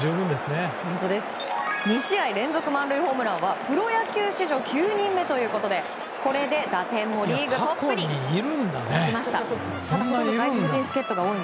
２試合連続、満塁ホームランはプロ野球史上９人目ということでこれで打点もリーグトップに立ちました。